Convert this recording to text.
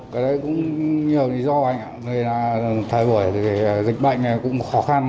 cái đấy cũng nhiều lý do anh ạ vì là thời buổi dịch bệnh cũng khó khăn